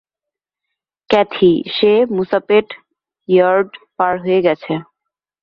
Kathy, সে Musapet yard পার হয়ে গেছে।